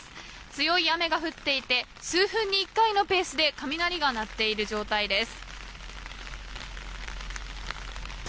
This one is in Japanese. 強い雨が降っていて数分に１回のペースで雷が鳴っている状態です。